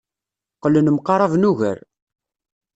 Qqlen mqaraben ugar.